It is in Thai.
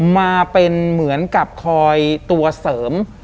มาเป็นเหมือนกับคอยตัวเสริม